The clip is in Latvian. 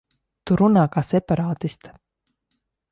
Tu runā kā separātiste.